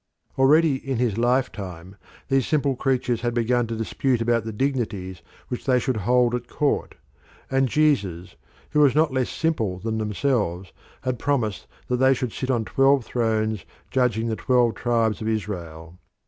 Already in his lifetime these simple creatures had begun to dispute about the dignities which they should hold at court, and Jesus, who was not less simple than themselves, had promised that they should sit on twelve thrones judging the twelve tribes of Israel.